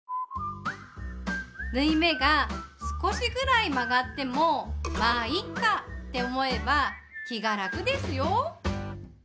縫い目が少しぐらい曲がってもまぁいいか！って思えば気が楽ですよ。